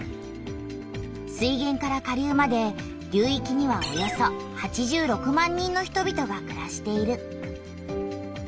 水げんから下流まで流いきにはおよそ８６万人の人々がくらしている。